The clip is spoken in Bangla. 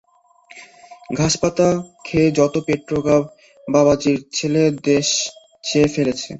ঘাসপাতা খেয়ে যত পেটরোগা বাবাজীর দলে দেশ ছেয়ে ফেলেছে।